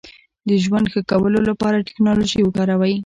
د ژوند ښه کولو لپاره ټکنالوژي وکاروئ.